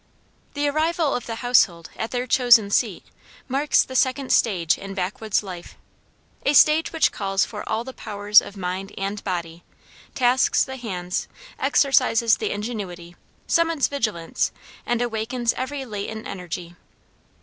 The arrival of the household at their chosen seat marks the second stage in backwoods life, a stage which calls for all the powers of mind and body, tasks the hands, exercises the ingenuity, summons vigilance, and awakens every latent energy.